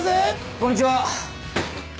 こんにちは！